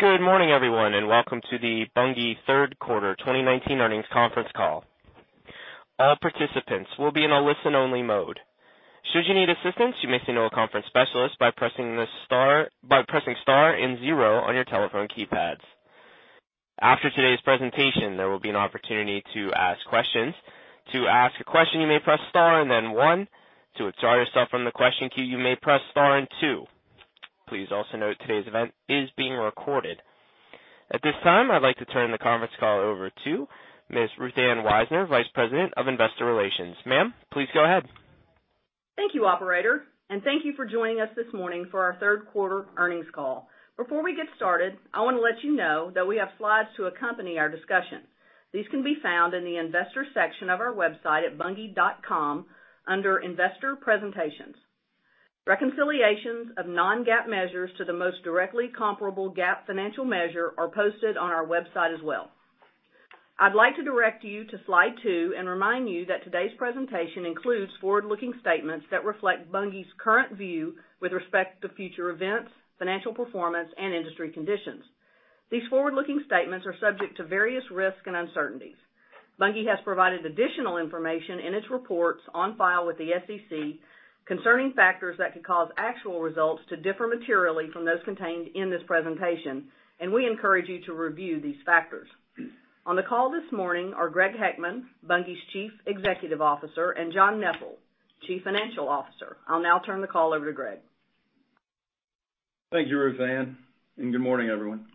Good morning, everyone, and welcome to the Bunge third quarter 2019 earnings conference call. All participants will be in a listen-only mode. Should you need assistance, you may signal a conference specialist by pressing star and zero on your telephone keypads. After today's presentation, there will be an opportunity to ask questions. To ask a question, you may press star and then one. To withdraw yourself from the question queue, you may press star and two. Please also note today's event is being recorded. At this time, I'd like to turn the conference call over to Ms. Ruth Ann Wisener, Vice President of Investor Relations. Ma'am, please go ahead. Thank you, operator, and thank you for joining us this morning for our third quarter earnings call. Before we get started, I want to let you know that we have slides to accompany our discussion. These can be found in the investor section of our website at bunge.com under Investor Presentations. Reconciliations of non-GAAP measures to the most directly comparable GAAP financial measure are posted on our website as well. I'd like to direct you to slide two and remind you that today's presentation includes forward-looking statements that reflect Bunge's current view with respect to future events, financial performance, and industry conditions. These forward-looking statements are subject to various risks and uncertainties. Bunge has provided additional information in its reports on file with the SEC concerning factors that could cause actual results to differ materially from those contained in this presentation, and we encourage you to review these factors. On the call this morning are Gregory Heckman, Bunge's Chief Executive Officer, and John Neppl, Chief Financial Officer. I'll now turn the call over to Greg. Thank you, Ruth Ann. Good morning, everyone.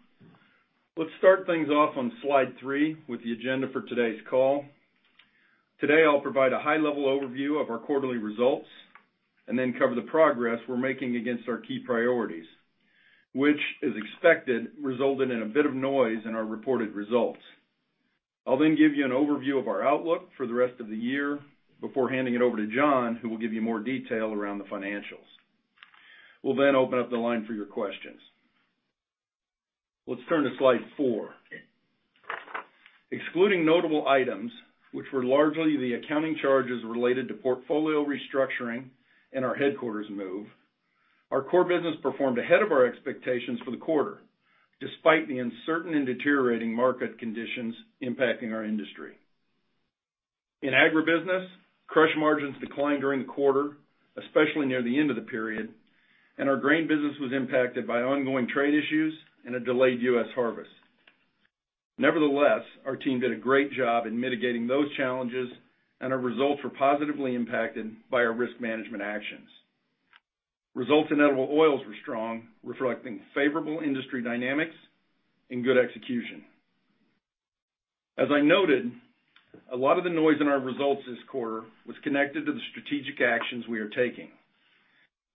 Let's start things off on slide three with the agenda for today's call. Today, I'll provide a high-level overview of our quarterly results and then cover the progress we're making against our key priorities, which, as expected, resulted in a bit of noise in our reported results. I'll then give you an overview of our outlook for the rest of the year before handing it over to John, who will give you more detail around the financials. We'll open up the line for your questions. Let's turn to slide four. Excluding notable items, which were largely the accounting charges related to portfolio restructuring and our headquarters move, our core business performed ahead of our expectations for the quarter, despite the uncertain and deteriorating market conditions impacting our industry. In agribusiness, crush margins declined during the quarter, especially near the end of the period, and our grain business was impacted by ongoing trade issues and a delayed U.S. harvest. Nevertheless, our team did a great job in mitigating those challenges, and our results were positively impacted by our risk management actions. Results in edible oils were strong, reflecting favorable industry dynamics and good execution. As I noted, a lot of the noise in our results this quarter was connected to the strategic actions we are taking.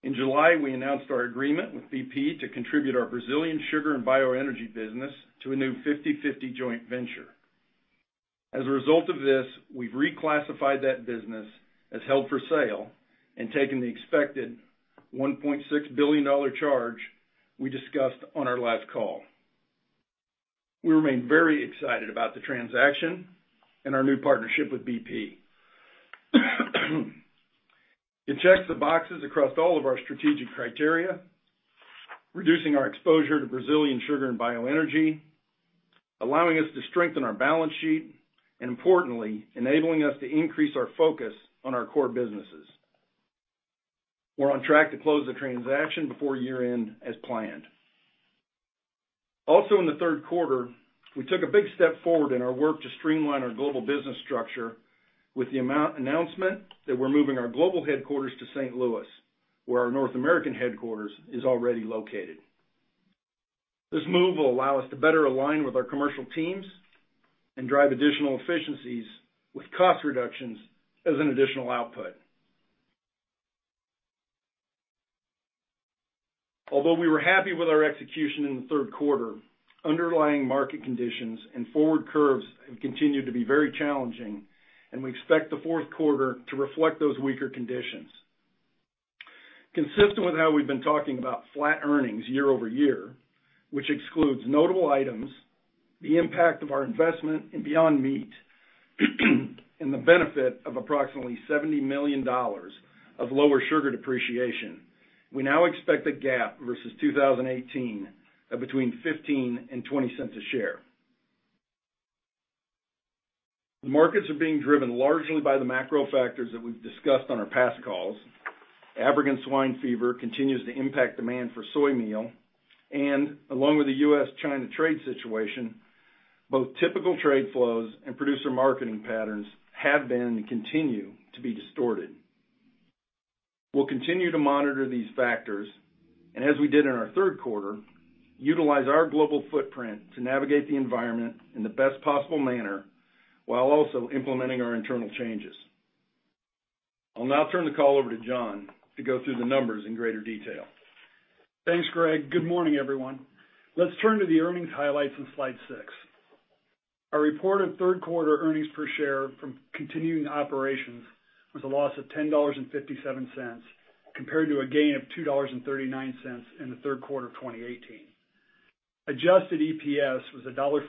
In July, we announced our agreement with BP to contribute our Brazilian sugar and bioenergy business to a new 50/50 joint venture. As a result of this, we've reclassified that business as held for sale and taken the expected $1.6 billion charge we discussed on our last call. We remain very excited about the transaction and our new partnership with BP. It checks the boxes across all of our strategic criteria, reducing our exposure to Brazilian sugar and bioenergy, allowing us to strengthen our balance sheet, and importantly, enabling us to increase our focus on our core businesses. We're on track to close the transaction before year-end as planned. In the third quarter, we took a big step forward in our work to streamline our global business structure with the announcement that we're moving our global headquarters to St. Louis, where our North American headquarters is already located. This move will allow us to better align with our commercial teams and drive additional efficiencies with cost reductions as an additional output. We were happy with our execution in the third quarter, underlying market conditions and forward curves have continued to be very challenging, and we expect the fourth quarter to reflect those weaker conditions. Consistent with how we've been talking about flat earnings year over year, which excludes notable items, the impact of our investment in Beyond Meat, and the benefit of approximately $70 million of lower sugar depreciation, we now expect a GAAP versus 2018 of between $0.15 and $0.20 a share. The markets are being driven largely by the macro factors that we've discussed on our past calls. African swine fever continues to impact demand for soy meal. Along with the U.S.-China trade situation, both typical trade flows and producer marketing patterns have been and continue to be distorted. We'll continue to monitor these factors, and as we did in our third quarter, utilize our global footprint to navigate the environment in the best possible manner while also implementing our internal changes. I'll now turn the call over to John to go through the numbers in greater detail. Thanks, Greg. Good morning, everyone. Let's turn to the earnings highlights on slide six. Our reported third-quarter earnings per share from continuing operations was a loss of $10.57 compared to a gain of $2.39 in the third quarter of 2018. Adjusted EPS was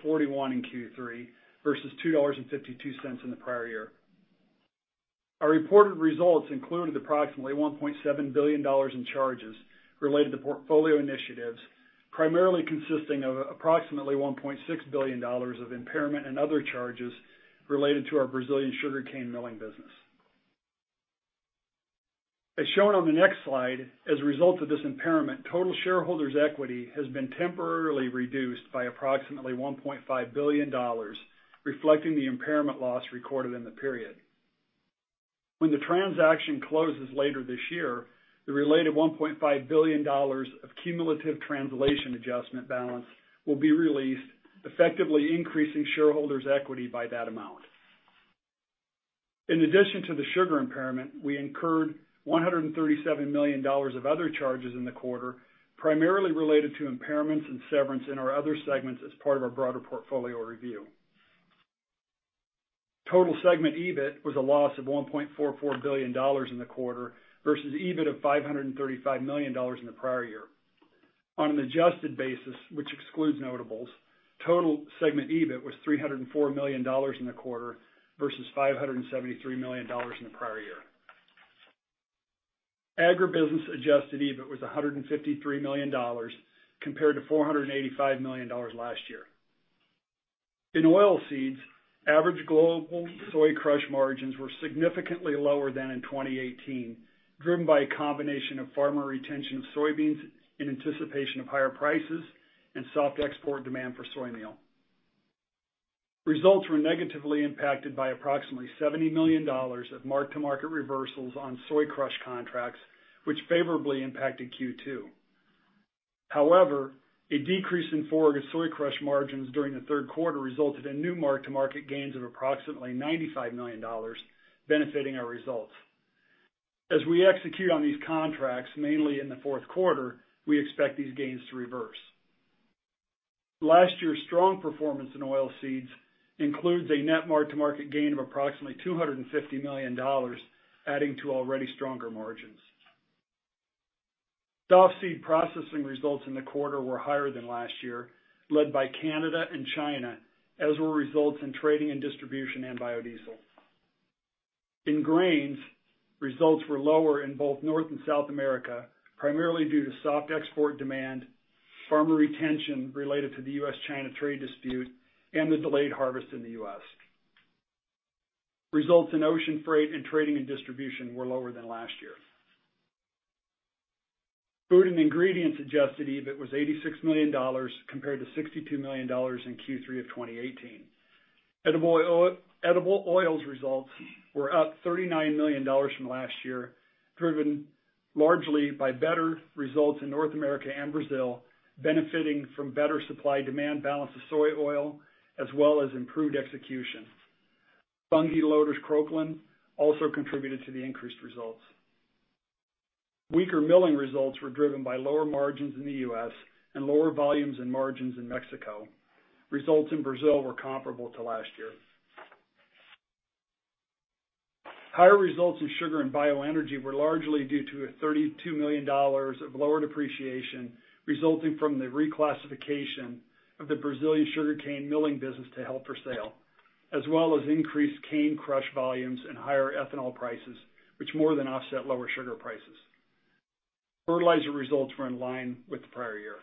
$1.41 in Q3 versus $2.52 in the prior year. Our reported results included approximately $1.7 billion in charges related to portfolio initiatives, primarily consisting of approximately $1.6 billion of impairment and other charges related to our Brazilian sugarcane milling business. As shown on the next slide, as a result of this impairment, total shareholders' equity has been temporarily reduced by approximately $1.5 billion, reflecting the impairment loss recorded in the period. When the transaction closes later this year, the related $1.5 billion of cumulative translation adjustment balance will be released, effectively increasing shareholders' equity by that amount. In addition to the sugar impairment, we incurred $137 million of other charges in the quarter, primarily related to impairments and severance in our other segments as part of our broader portfolio review. Total segment EBIT was a loss of $1.44 billion in the quarter versus EBIT of $535 million in the prior year. On an adjusted basis, which excludes notables, total segment EBIT was $304 million in the quarter versus $573 million in the prior year. Agribusiness adjusted EBIT was $153 million compared to $485 million last year. In oilseeds, average global soy crush margins were significantly lower than in 2018, driven by a combination of farmer retention of soybeans in anticipation of higher prices and soft export demand for soy meal. Results were negatively impacted by approximately $70 million of mark-to-market reversals on soy crush contracts, which favorably impacted Q2. However, a decrease in forward soy crush margins during the third quarter resulted in new mark-to-market gains of approximately $95 million benefiting our results. As we execute on these contracts, mainly in the fourth quarter, we expect these gains to reverse. Last year's strong performance in oilseeds includes a net mark-to-market gain of approximately $250 million, adding to already stronger margins. Softseed processing results in the quarter were higher than last year, led by Canada and China, as were results in trading and distribution and biodiesel. In grains, results were lower in both North and South America, primarily due to soft export demand, farmer retention related to the U.S.-China trade dispute, and the delayed harvest in the U.S. Results in ocean freight and trading and distribution were lower than last year. Food and ingredients adjusted EBIT was $86 million compared to $62 million in Q3 of 2018. Edible oilsresults were up $39 million from last year, driven largely by better results in North America and Brazil, benefiting from better supply-demand balance of soy oil as well as improved execution. Bunge Loders Croklaan also contributed to the increased results. Weaker milling results were driven by lower margins in the U.S. and lower volumes and margins in Mexico. Results in Brazil were comparable to last year. Higher results in sugar and bioenergy were largely due to a $32 million of lower depreciation resulting from the reclassification of the Brazilian sugarcane milling business to held for sale, as well as increased cane crush volumes and higher ethanol prices, which more than offset lower sugar prices. Fertilizer results were in line with the prior year.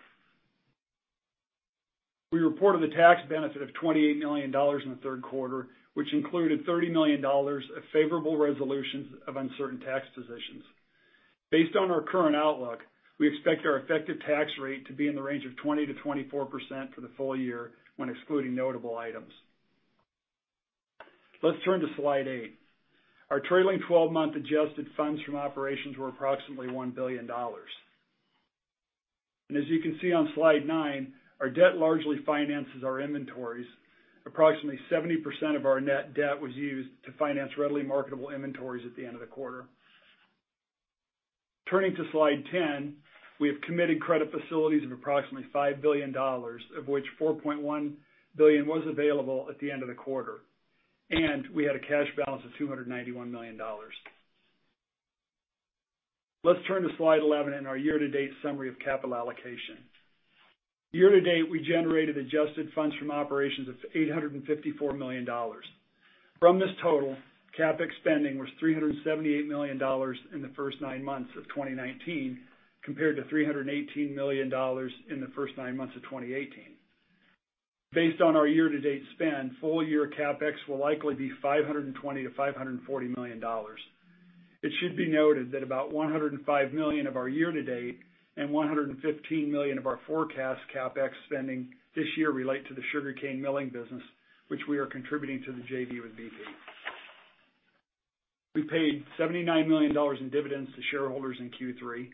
We reported a tax benefit of $28 million in the third quarter, which included $30 million of favorable resolutions of uncertain tax positions. Based on our current outlook, we expect our effective tax rate to be in the range of 20%-24% for the full year when excluding notable items. Let's turn to slide eight. Our trailing 12-month adjusted funds from operations were approximately $1 billion. As you can see on slide nine, our debt largely finances our inventories. Approximately 70% of our net debt was used to finance readily marketable inventories at the end of the quarter. Turning to slide 10, we have committed credit facilities of approximately $5 billion, of which $4.1 billion was available at the end of the quarter, and we had a cash balance of $291 million. Let's turn to slide 11 and our year-to-date summary of capital allocation. Year-to-date, we generated adjusted funds from operations of $854 million. From this total, CapEx spending was $378 million in the first nine months of 2019 compared to $318 million in the first nine months of 2018. Based on our year-to-date spend, full year CapEx will likely be $520 million-$540 million. It should be noted that about $105 million of our year-to-date and $115 million of our forecast CapEx spending this year relate to the sugarcane milling business, which we are contributing to the JV with BP. We paid $79 million in dividends to shareholders in Q3.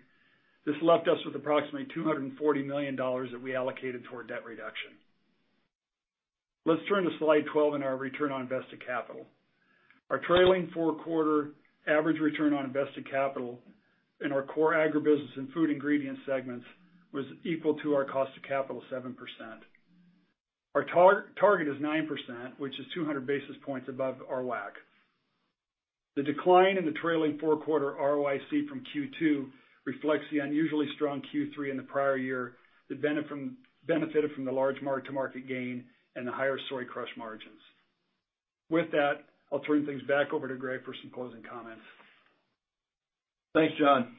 This left us with approximately $240 million that we allocated toward debt reduction. Let's turn to slide 12 and our return on invested capital. Our trailing four-quarter average return on invested capital in our core agribusiness and food and ingredients segments was equal to our cost of capital, 7%. Our target is 9%, which is 200 basis points above our WACC. The decline in the trailing four-quarter ROIC from Q2 reflects the unusually strong Q3 in the prior year that benefited from the large mark-to-market gain and the higher soy crush margins. With that, I'll turn things back over to Greg for some closing comments. Thanks, John.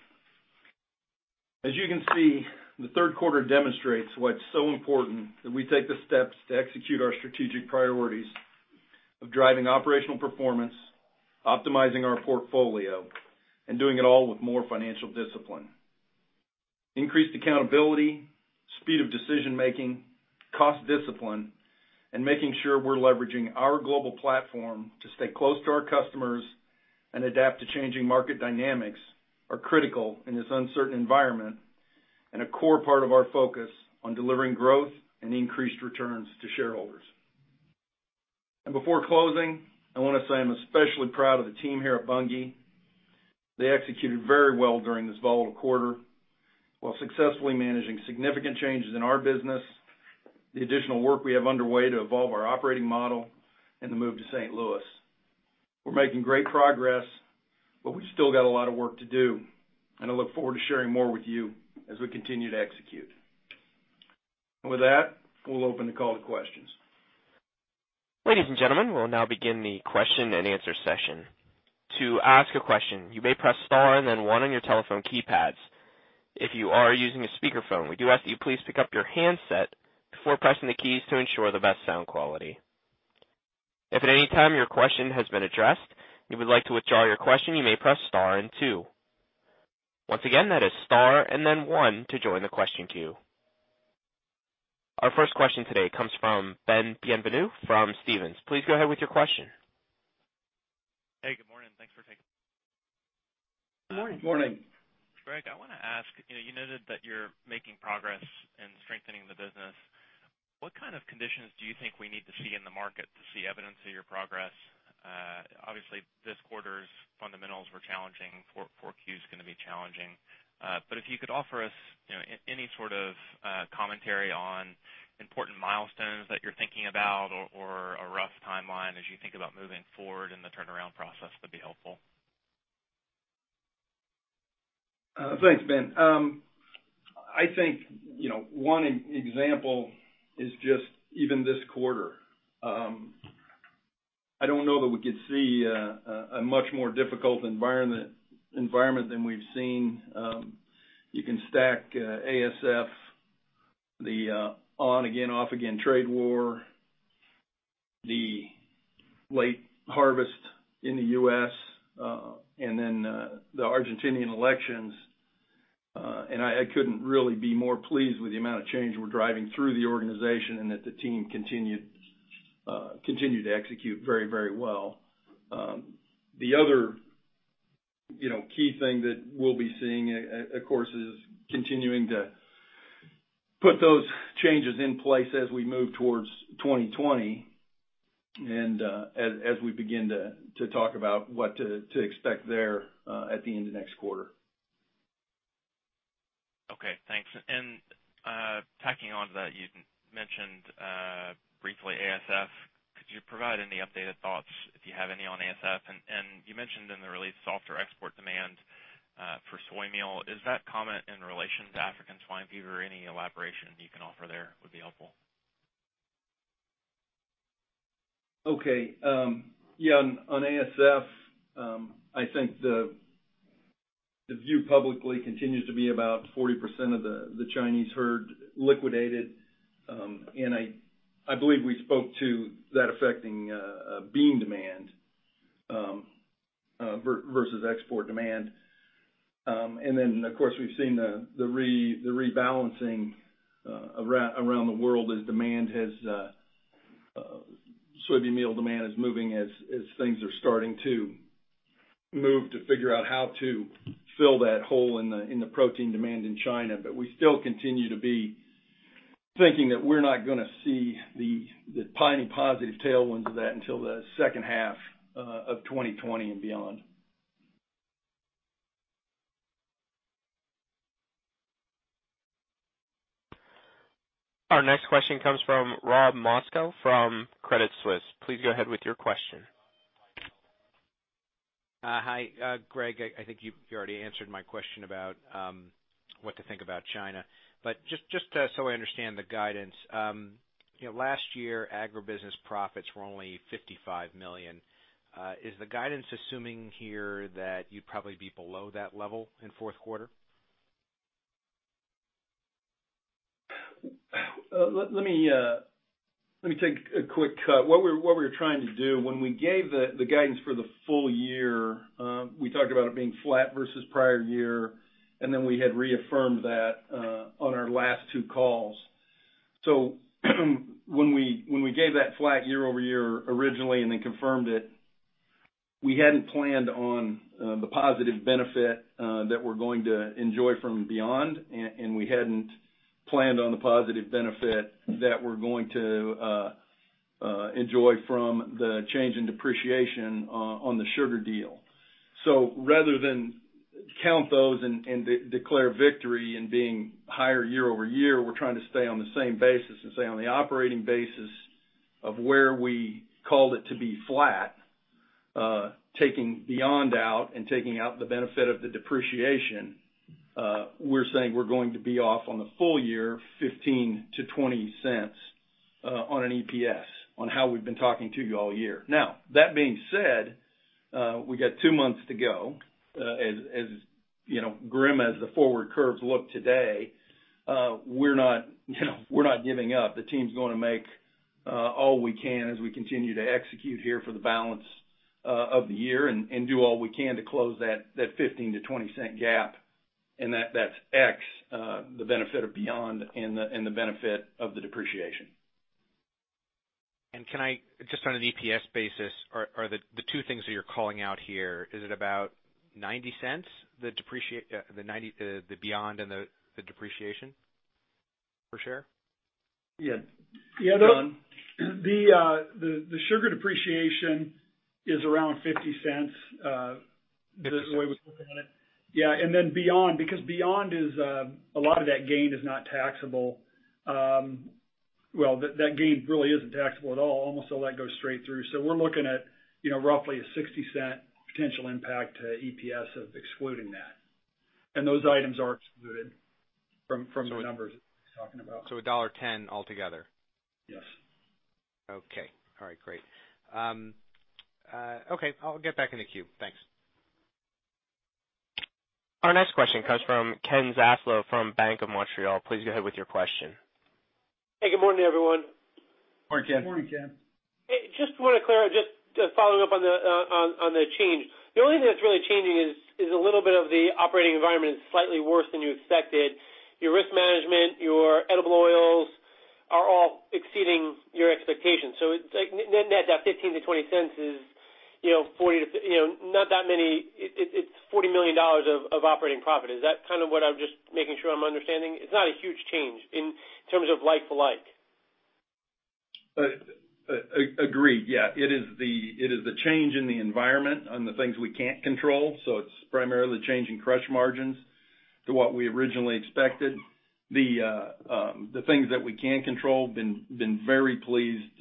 As you can see, the third quarter demonstrates why it's so important that we take the steps to execute our strategic priorities of driving operational performance, optimizing our portfolio, and doing it all with more financial discipline. Increased accountability, speed of decision-making, cost discipline, and making sure we're leveraging our global platform to stay close to our customers and adapt to changing market dynamics are critical in this uncertain environment, a core part of our focus on delivering growth and increased returns to shareholders. Before closing, I want to say I'm especially proud of the team here at Bunge. They executed very well during this volatile quarter, while successfully managing significant changes in our business, the additional work we have underway to evolve our operating model, and the move to St. Louis. We're making great progress, but we've still got a lot of work to do, and I look forward to sharing more with you as we continue to execute. With that, we'll open the call to questions. Ladies and gentlemen, we'll now begin the question and answer session. To ask a question, you may press star and then one on your telephone keypads. If you are using a speakerphone, we do ask that you please pick up your handset before pressing the keys to ensure the best sound quality. If at any time your question has been addressed and you would like to withdraw your question, you may press star and two. Once again, that is star and then one to join the question queue. Our first question today comes from Ben Bienvenu from Stephens. Please go ahead with your question. Hey, good morning. Thanks for taking- Good morning. Greg, I want to ask, you noted that you're making progress in strengthening the business. What kind of conditions do you think we need to see in the market to see evidence of your progress? Obviously, this quarter's fundamentals were challenging. 4Q is going to be challenging. If you could offer us any sort of commentary on important milestones that you're thinking about or a rough timeline as you think about moving forward in the turnaround process would be helpful. Thanks, Ben. I think one example is just even this quarter. I don't know that we could see a much more difficult environment than we've seen. You can stack ASF, the on-again, off-again trade war, the late harvest in the U.S., and then the Argentinian elections. I couldn't really be more pleased with the amount of change we're driving through the organization and that the team continued to execute very well. The other key thing that we'll be seeing, of course, is continuing to put those changes in place as we move towards 2020 and as we begin to talk about what to expect there at the end of next quarter. Okay, thanks. Tacking on to that, you mentioned briefly ASF. Could you provide any updated thoughts, if you have any, on ASF? You mentioned in the release softer export demand for soy meal. Is that comment in relation to African swine fever? Any elaboration you can offer there would be helpful. On ASF, I think the view publicly continues to be about 40% of the Chinese herd liquidated. I believe we spoke to that affecting bean demand versus export demand. Of course, we've seen the rebalancing around the world as soybean meal demand is moving as things are starting to move to figure out how to fill that hole in the protein demand in China. We still continue to be thinking that we're not going to see the positive tailwinds of that until the second half of 2020 and beyond. Our next question comes from Rob Moskow from Credit Suisse. Please go ahead with your question. Hi, Greg. I think you already answered my question about what to think about China. Just so I understand the guidance. Last year, agribusiness profits were only $55 million. Is the guidance assuming here that you'd probably be below that level in fourth quarter? Let me take a quick cut. What we were trying to do when we gave the guidance for the full year, we talked about it being flat versus prior year, and then we had reaffirmed that on our last two calls. When we gave that flat year-over-year originally and then confirmed it, we hadn't planned on the positive benefit that we're going to enjoy from Beyond, and we hadn't planned on the positive benefit that we're going to enjoy from the change in depreciation on the sugar deal. Rather than count those and declare victory in being higher year-over-year, we're trying to stay on the same basis and say on the operating basis of where we called it to be flat taking Beyond out and taking out the benefit of the depreciation we're saying we're going to be off on the full year $0.15-$0.20. On an EPS, on how we've been talking to you all year. That being said, we got two months to go. As grim as the forward curves look today, we're not giving up. The team's going to make all we can as we continue to execute here for the balance of the year and do all we can to close that $0.15-$0.20 gap, and that's X, the benefit of Beyond and the benefit of the depreciation. Can I, just on an EPS basis, are the two things that you're calling out here, is it about $0.90, the Beyond and the depreciation, per share? Yeah. John? The sugar depreciation is around $0.50, the way we're looking at it. Yeah, Beyond, because Beyond is, a lot of that gain is not taxable. Well, that gain really isn't taxable at all, almost all that goes straight through. We're looking at roughly a $0.60 potential impact to EPS of excluding that. Those items are excluded from the numbers we're talking about. $1.10 altogether? Yes. Okay. All right, great. Okay, I'll get back in the queue. Thanks. Our next question comes from Ken Zaslow from Bank of Montreal. Please go ahead with your question. Hey, good morning, everyone. Morning, Ken. Morning, Ken. Hey, just following up on the change. The only thing that's really changing is a little bit of the operating environment is slightly worse than you expected. Your risk management, your edible oils are all exceeding your expectations. It's like, net that $0.15 to $0.20 is $40 million of operating profit. Is that kind of what I'm just making sure I'm understanding? It's not a huge change in terms of like to like. Agreed. Yeah. It is the change in the environment on the things we can't control. It's primarily changing crush margins to what we originally expected. The things that we can control, we've been very pleased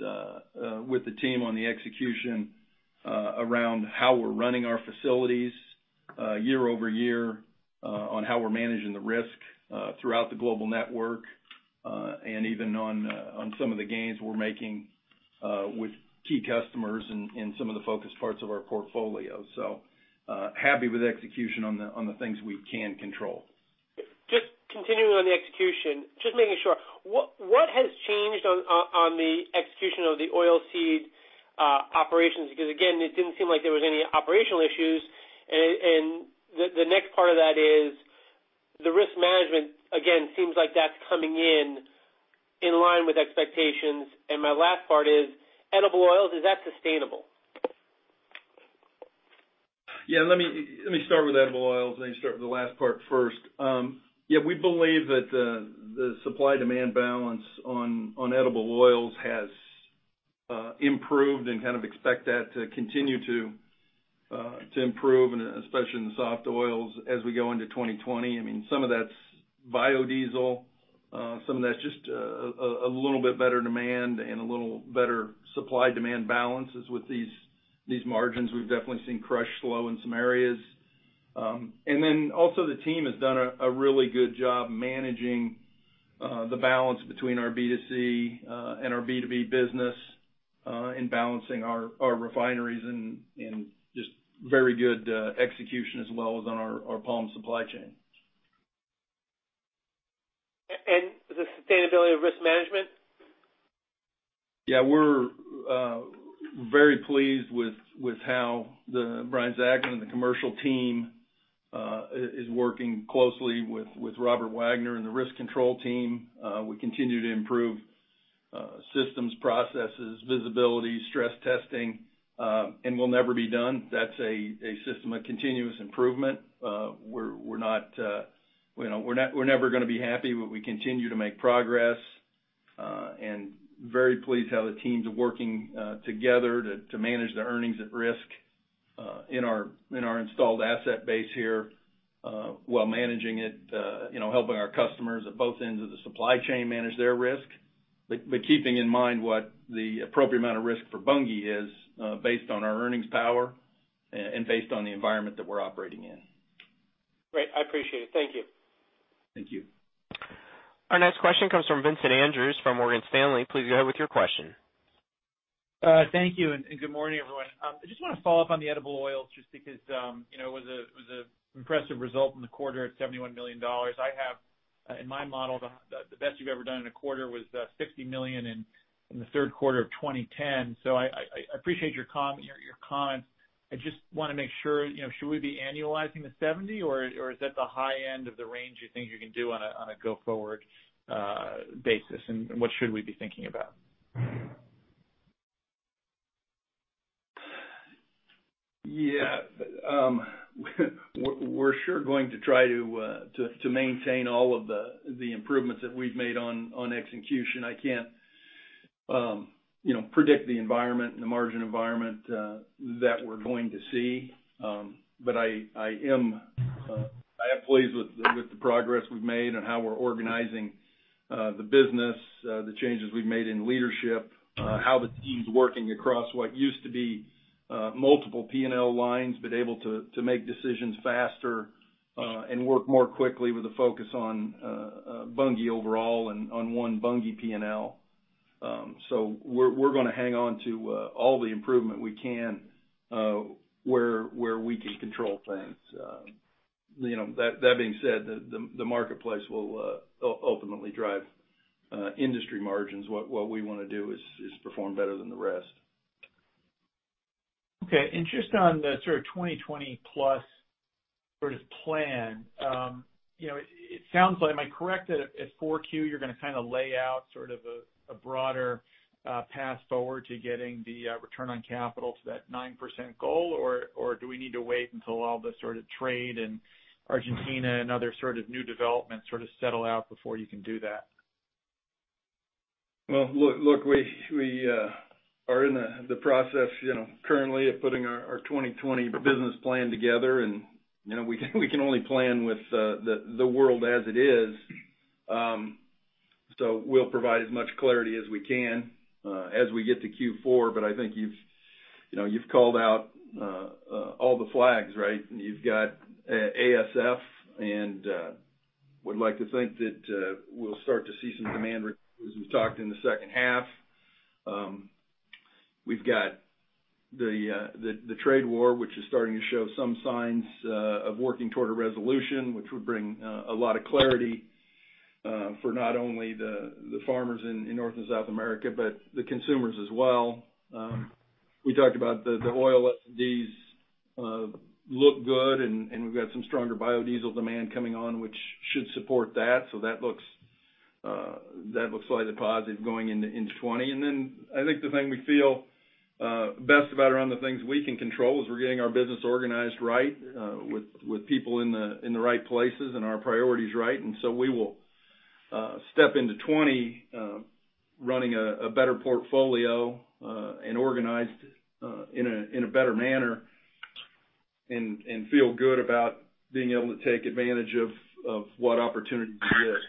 with the team on the execution around how we're running our facilities year-over-year, on how we're managing the risk throughout the global network, and even on some of the gains we're making with key customers in some of the focused parts of our portfolio. Happy with execution on the things we can control. Just continuing on the execution, just making sure, what has changed on the execution of the oil seed operations? Again, it didn't seem like there was any operational issues, and the next part of that is the risk management, again, seems like that's coming in in line with expectations. My last part is, edible oils, is that sustainable? Yeah, let me start with edible oils, let me start with the last part first. Yeah, we believe that the supply-demand balance on edible oils has improved and kind of expect that to continue to improve, and especially in the soft oils as we go into 2020. Some of that's biodiesel. Some of that's just a little bit better demand and a little better supply-demand balances with these margins. We've definitely seen crush slow in some areas. Also the team has done a really good job managing the balance between our B2C and our B2B business in balancing our refineries and just very good execution as well as on our palm supply chain. The sustainability of risk management? We're very pleased with how Brian Zachman and the commercial team is working closely with Robert Wagner and the risk control team. We continue to improve systems, processes, visibility, stress testing, we'll never be done. That's a system of continuous improvement. We're never going to be happy, we continue to make progress. Very pleased how the teams are working together to manage the earnings at risk in our installed asset base here while managing it, helping our customers at both ends of the supply chain manage their risk. Keeping in mind what the appropriate amount of risk for Bunge is based on our earnings power and based on the environment that we're operating in. Great. I appreciate it. Thank you. Thank you. Our next question comes from Vincent Andrews from Morgan Stanley. Please go ahead with your question. Thank you, good morning, everyone. I just want to follow up on the edible oils, just because it was an impressive result in the quarter at $71 million. I have in my model, the best you've ever done in a quarter was $60 million in the third quarter of 2010. I appreciate your comments. I just want to make sure, should we be annualizing the $70, or is that the high end of the range you think you can do on a go forward basis? What should we be thinking about? We're sure going to try to maintain all of the improvements that we've made on execution. I can't predict the environment and the margin environment that we're going to see. I am pleased with the progress we've made on how we're organizing the business, the changes we've made in leadership, how the team's working across what used to be multiple P&L lines, but able to make decisions faster, and work more quickly with a focus on Bunge overall and on one Bunge P&L. We're going to hang on to all the improvement we can, where we can control things. That being said, the marketplace will ultimately drive industry margins. What we want to do is perform better than the rest. Okay. Just on the sort of 2020-plus plan. Am I correct that at 4Q, you're going to lay out sort of a broader path forward to getting the return on capital to that 9% goal? Do we need to wait until all the sort of trade and Argentina and other sort of new developments settle out before you can do that? Well, look, we are in the process currently of putting our 2020 business plan together, and we can only plan with the world as it is. We'll provide as much clarity as we can as we get to Q4, but I think you've called out all the flags, right? You've got ASF, and would like to think that we'll start to see some demand, as we talked in the second half. We've got the trade war, which is starting to show some signs of working toward a resolution, which would bring a lot of clarity for not only the farmers in North and South America, but the consumers as well. We talked about the oil S&Ds look good, and we've got some stronger biodiesel demand coming on, which should support that. That looks slightly positive going into 2020. I think the thing we feel best about are the things we can control, is we're getting our business organized right with people in the right places and our priorities right. We will step into 2020 running a better portfolio and organized in a better manner and feel good about being able to take advantage of what opportunities exist.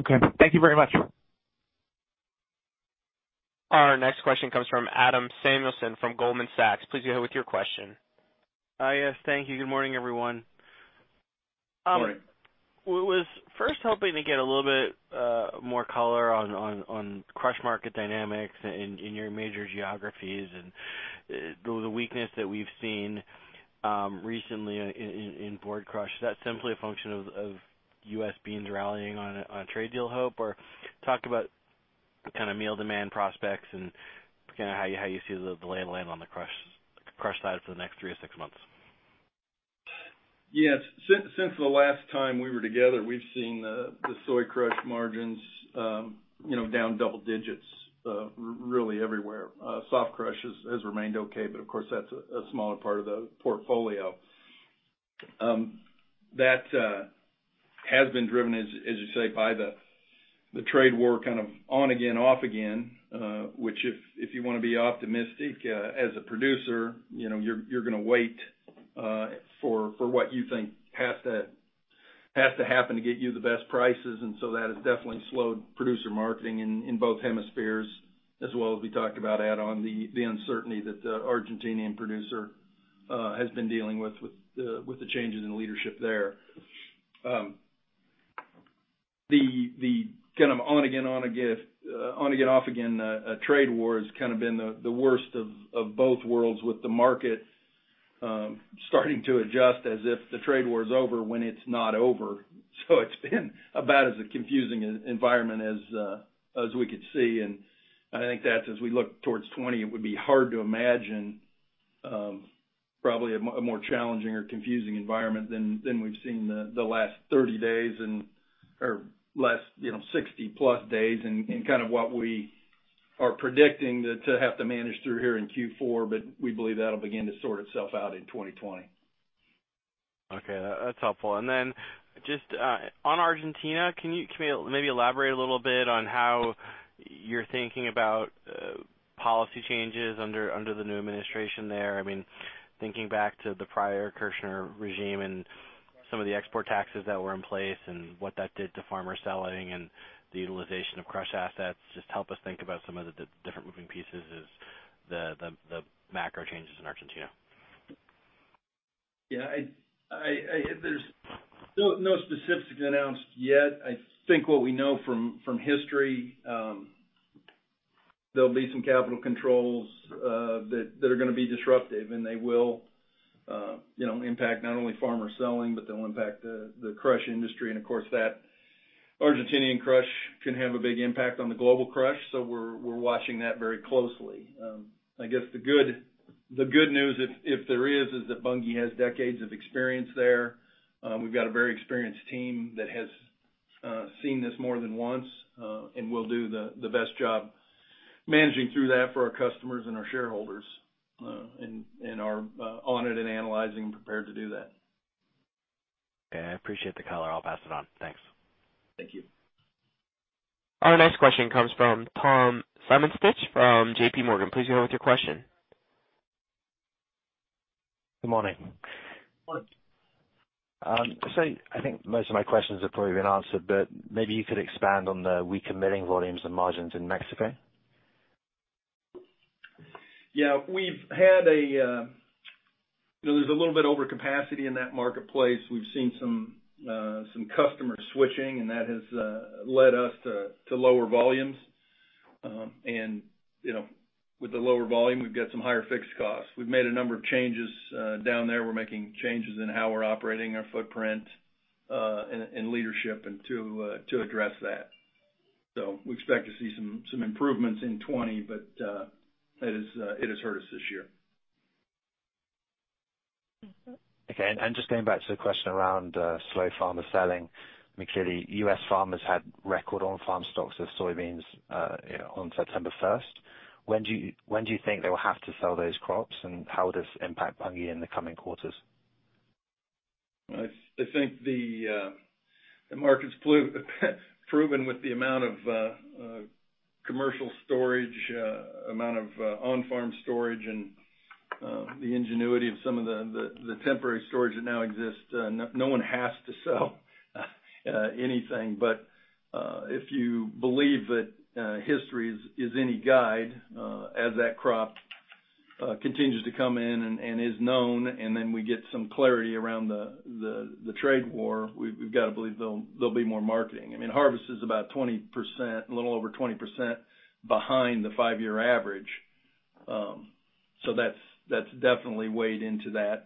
Okay. Thank you very much. Our next question comes from Adam Samuelson from Goldman Sachs. Please go ahead with your question. Yes, thank you. Good morning, everyone. Morning. was first hoping to get a little bit more color on crush market dynamics in your major geographies and the weakness that we've seen recently in board crush. Is that simply a function of U.S. beans rallying on a trade deal hope? Talk about kind of meal demand prospects and how you see the land on the crush side for the next three to six months. Yes. Since the last time we were together, we've seen the soy crush margins down double digits really everywhere. Soft crush has remained okay, of course, that's a smaller part of the portfolio. That has been driven, as you say, by the trade war kind of on again, off again, which if you want to be optimistic as a producer, you're going to wait for what you think has to happen to get you the best prices. That has definitely slowed producer marketing in both hemispheres as well as we talked about, add on the uncertainty that the Argentinian producer has been dealing with the changes in leadership there. The kind of on again, off again trade war has kind of been the worst of both worlds with the market starting to adjust as if the trade war is over when it's not over. It's been about as a confusing environment as we could see, I think that as we look towards 2020, it would be hard to imagine probably a more challenging or confusing environment than we've seen the last 30 days or last 60-plus days and kind of what we are predicting to have to manage through here in Q4, but we believe that'll begin to sort itself out in 2020. Okay, that's helpful. Just on Argentina, can you maybe elaborate a little bit on how you're thinking about policy changes under the new administration there? Thinking back to the prior Kirchner regime and some of the export taxes that were in place and what that did to farmer selling and the utilization of crush assets. Just help us think about some of the different moving pieces as the macro changes in Argentina. Yeah. There's no specifics announced yet. I think what we know from history there'll be some capital controls that are going to be disruptive, they will impact not only farmer selling, but they'll impact the crush industry. Of course, that Argentinian crush can have a big impact on the global crush. We're watching that very closely. I guess the good news, if there is that Bunge has decades of experience there. We've got a very experienced team that has seen this more than once and will do the best job managing through that for our customers and our shareholders and are on it and analyzing and prepared to do that. Okay. I appreciate the color. I'll pass it on. Thanks. Thank you. Our next question comes from Tom Simonitsch from JP Morgan. Please go on with your question. Good morning. Morning. I think most of my questions have probably been answered, but maybe you could expand on the weak crushing volumes and margins in Mexico. Yeah. There's a little bit overcapacity in that marketplace. We've seen some customers switching. That has led us to lower volumes. With the lower volume, we've got some higher fixed costs. We've made a number of changes down there. We're making changes in how we're operating our footprint, and leadership, and to address that. We expect to see some improvements in 2020, but it has hurt us this year. Okay. Just going back to the question around slow farmer selling. I mean, clearly, U.S. farmers had record on-farm stocks of soybeans on September 1st. When do you think they will have to sell those crops, and how will this impact Bunge in the coming quarters? I think the market's proven with the amount of commercial storage, amount of on-farm storage, and the ingenuity of some of the temporary storage that now exists. No one has to sell anything. If you believe that history is any guide, as that crop continues to come in and is known, and then we get some clarity around the trade war, we've got to believe there'll be more marketing. I mean, harvest is about 20%, a little over 20% behind the five-year average. That's definitely weighed into that,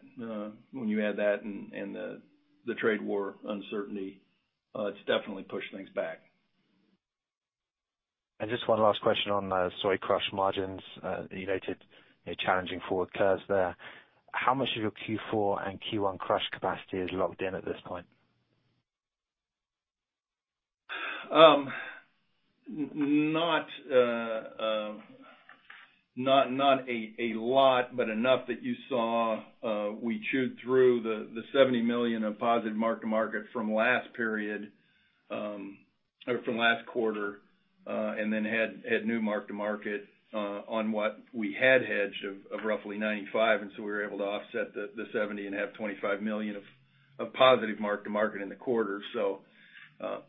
when you add that and the trade war uncertainty. It's definitely pushed things back. Just one last question on soy crush margins. You noted challenging forward curves there. How much of your Q4 and Q1 crush capacity is locked in at this point? Not a lot, but enough that you saw we chewed through the $70 million of positive mark-to-market from last period, or from last quarter, and then had new mark-to-market on what we had hedged of roughly $95 million. We were able to offset the $70 million and have $25 million of positive mark-to-market in the quarter.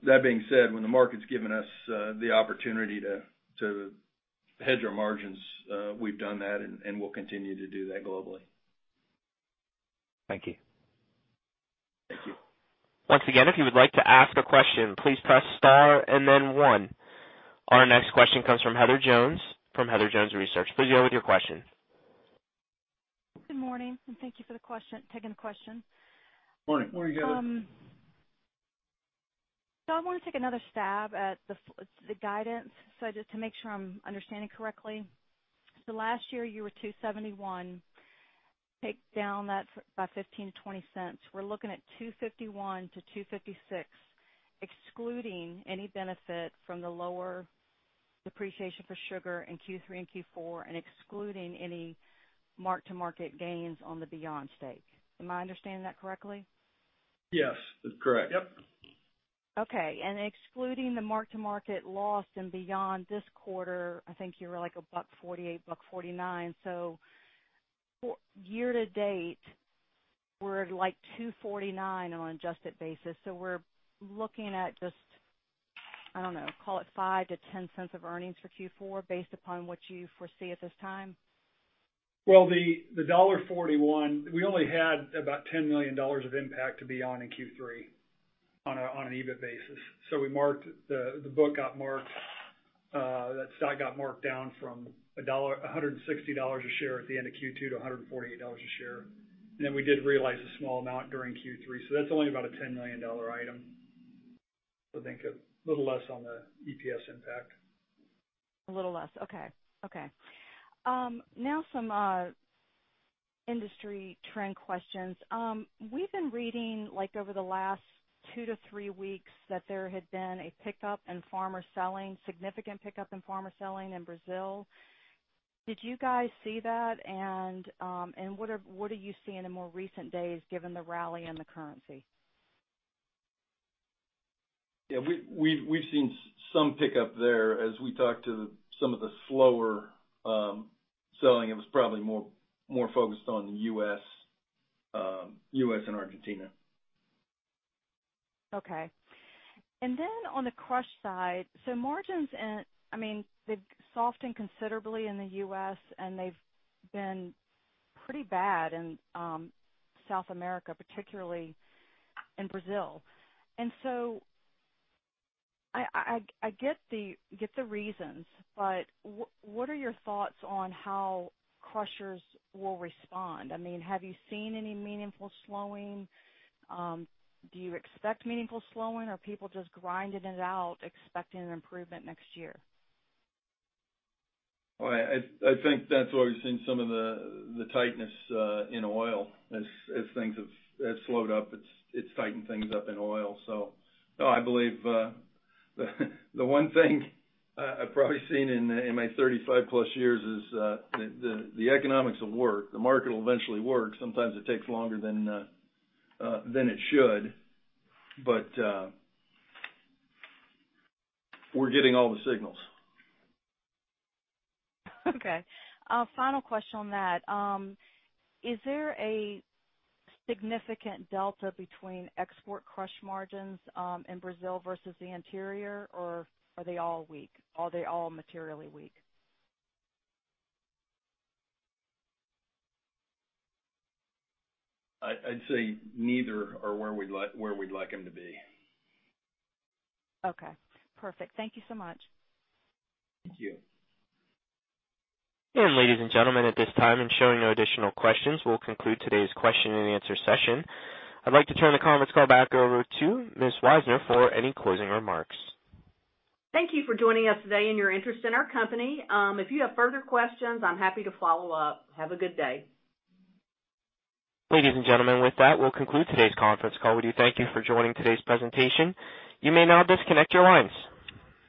That being said, when the market's given us the opportunity to hedge our margins, we've done that, and we'll continue to do that globally. Thank you. Thank you. Once again, if you would like to ask a question, please press star and then one. Our next question comes from Heather Jones from Heather Jones Research. Please go with your question. Good morning, thank you for taking the question. Morning. Morning, Heather. I want to take another stab at the guidance. Just to make sure I'm understanding correctly. Last year you were $2.71, take down that by $0.15-$0.20. We're looking at $2.51-$2.56, excluding any benefit from the lower depreciation for sugar in Q3 and Q4, and excluding any mark-to-market gains on the Beyond stake. Am I understanding that correctly? Yes, that's correct. Yep. Okay. Excluding the mark-to-market loss in Beyond this quarter, I think you were like $1.48, $1.49. Year-to-date, we're at like $2.49 on an adjusted basis. We're looking at just, I don't know, call it $0.05 to $0.10 of earnings for Q4 based upon what you foresee at this time? The $1.41, we only had about $10 million of impact to Beyond in Q3 on an EBIT basis. The stock got marked down from $160 a share at the end of Q2 to $148 a share. Then we did realize a small amount during Q3. That's only about a $10 million item. Think a little less on the EPS impact. A little less. Okay. Now some industry trend questions. We've been reading over the last two to three weeks that there had been a significant pickup in farmer selling in Brazil. Did you guys see that? What are you seeing in more recent days given the rally and the currency? Yeah, we've seen some pickup there. As we talked to some of the slower selling, it was probably more focused on the U.S. and Argentina. Okay. On the crush side, so margins, I mean, they've softened considerably in the U.S., and they've been pretty bad in South America, particularly in Brazil. I get the reasons, but what are your thoughts on how crushers will respond? I mean, have you seen any meaningful slowing? Do you expect meaningful slowing, or people just grinding it out expecting an improvement next year? Well, I think that's why we've seen some of the tightness in oil. As things have slowed up, it's tightened things up in oil. No, I believe the one thing I've probably seen in my 35 plus years is the economics will work. The market will eventually work. Sometimes it takes longer than it should. We're getting all the signals. Okay. Final question on that. Is there a significant delta between export crush margins in Brazil versus the interior, or are they all weak? Are they all materially weak? I'd say neither are where we'd like them to be. Okay. Perfect. Thank you so much. Thank you. Ladies and gentlemen, at this time, I'm showing no additional questions. We'll conclude today's question and answer session. I'd like to turn the conference call back over to Ms. Wisener for any closing remarks. Thank you for joining us today and your interest in our company. If you have further questions, I'm happy to follow up. Have a good day. Ladies and gentlemen, with that, we'll conclude today's conference call with you. Thank you for joining today's presentation. You may now disconnect your lines.